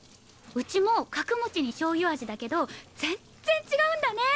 うちも角餅にしょうゆ味だけど全然違うんだね。